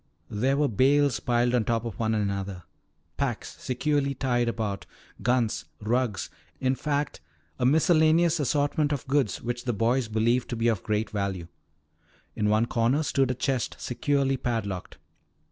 There were bales piled on top of one another, packs securely tied lying about, guns, rugs, in fact a miscellaneous assortment of goods which the boys believed to be of great value. In one corner stood a chest securely padlocked.